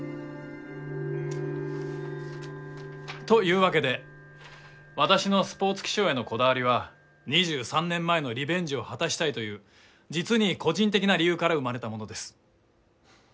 というわけで私のスポーツ気象へのこだわりは２３年前のリベンジを果たしたいという実に個人的な理由から生まれたものです。